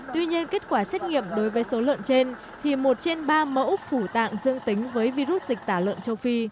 tuy nhiên kết quả xét nghiệm đối với số lợn trên thì một trên ba mẫu phủ tạng dương tính với virus dịch tả lợn châu phi